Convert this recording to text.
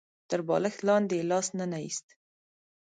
تر بالښت لاندې يې لاس ننه ايست.